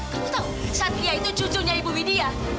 kamu tahu satlia itu cucunya ibu bidya